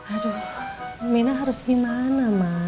aduh mina harus gimana ma